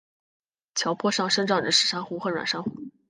礁坡上生长着石珊瑚和软珊瑚。